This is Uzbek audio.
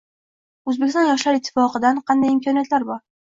“O‘zbekiston Yoshlar ittifoqi”dan qayday imkoniyatlar bor?